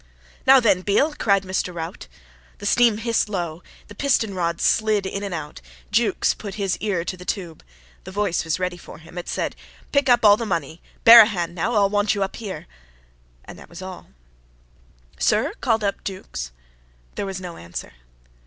"Now then, Beale!" cried Mr. Rout. The steam hissed low. The piston rods slid in and out. Jukes put his ear to the tube. The voice was ready for him. It said: "Pick up all the money. Bear a hand now. I'll want you up here." And that was all. "Sir?" called up Jukes. There was no answer.